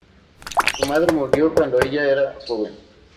Su madre murió cuando ella era joven.